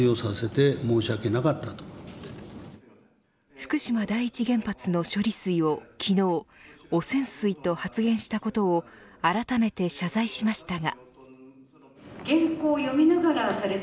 福島第一原発の処理水を昨日、汚染水と発言したことをあらためて謝罪しましたが。